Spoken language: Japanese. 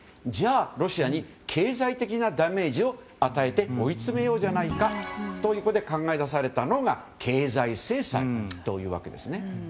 じゃあ、ロシアに経済的なダメージを与えて追い詰めようじゃないかということで考え出されたのが経済制裁というわけです。